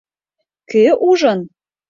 Кӧ ужын?